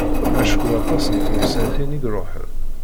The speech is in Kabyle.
Acku aṭas n tewsatin i iruḥen.